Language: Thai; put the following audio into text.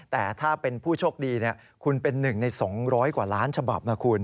แต่ถ้าเป็นผู้โชคดีคุณเป็น๑ใน๒๐๐กว่าล้านฉบับนะคุณ